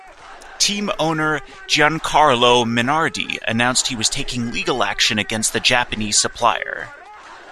Team owner Giancarlo Minardi announced he was taking legal action against the Japanese supplier.